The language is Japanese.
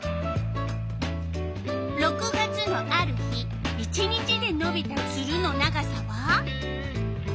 ６月のある日１日でのびたツルの長さは？